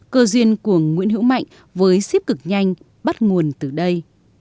cơ duyên của nguyễn hữu mạnh với xếp cực nhanh bắt nguồn từ đây